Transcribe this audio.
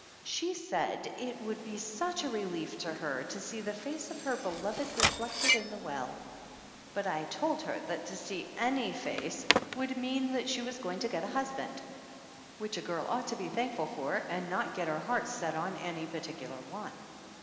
She said it would be such a relief to her to see the face of her beloved reflected in the well; but I told her that to see any face would mean that she was going to get a husband, which a girl ought to be thankful for, and not get her heart set on any particular one.